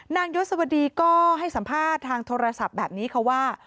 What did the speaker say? ยศวดีก็ให้สัมภาษณ์ทางโทรศัพท์แบบนี้ค่ะว่า